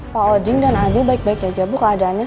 pak odin dan abi baik baik aja bu keadaannya